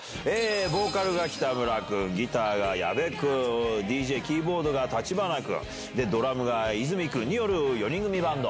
ボーカルが北村君、ギターが矢部君、ＤＪ・キーボードが橘君、ドラムが泉君による４人組バンド。